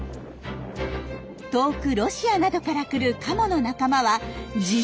遠くロシアなどから来るカモの仲間は１０種以上。